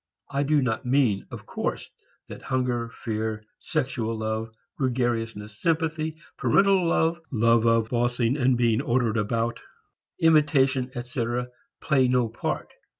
I do not mean of course that hunger, fear, sexual love, gregariousness, sympathy, parental love, love of bossing and of being ordered about, imitation, etc., play no part.